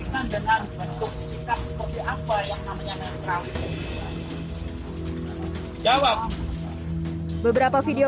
beberapa video berikutnya